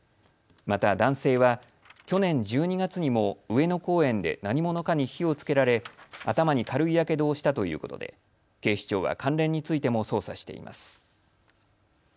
また男性は去年１２月にも上野公園で何者かに火をつけられ頭に軽いやけどをしたということで警視庁は関連についても捜査しています。